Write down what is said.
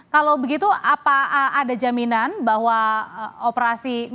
kalau begitu ada jaminan bahwa operasi militer